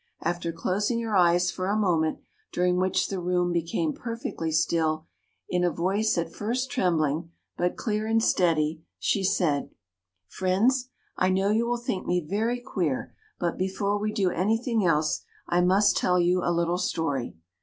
After closing her eyes for a moment, during which the room became perfectly still, in a voice at first trembling, but clear and steady, she said: "Friends, I know you will think me very queer; but before we do anything else, I must tell you a little story.